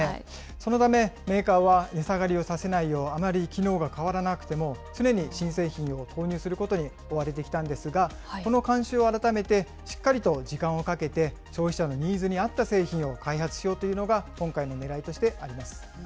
そのため、メーカーは値下がりをさせないよう、あまり機能が変わらなくても、常に新商品を投入することに追われてきたんですが、この慣習を改めて、しっかりと時間をかけて、消費者のニーズに合った製品を開発しようというのが、今回のねらいとしてあります。